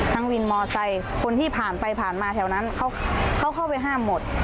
วินมอไซค์คนที่ผ่านไปผ่านมาแถวนั้นเขาเข้าไปห้ามหมด